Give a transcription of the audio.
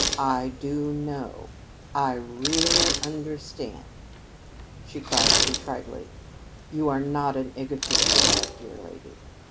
"I do know I really understand," she cried contritely. "You are not an egotist at all, dear lady.